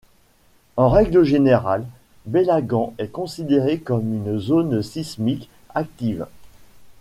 En règle générale, Beylagan est considérée comme une zone sismique active.